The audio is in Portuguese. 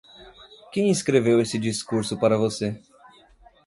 Quem escreveu esse discurso para você?